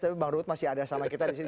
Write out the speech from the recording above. tapi bang ruth masih ada sama kita disini